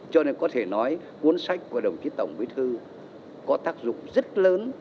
cho nên có thể nói cuốn sách của đồng chí tổng bí thư có tác dụng rất lớn